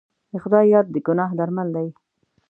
د خدای یاد د ګناه درمل دی.